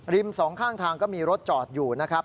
สองข้างทางก็มีรถจอดอยู่นะครับ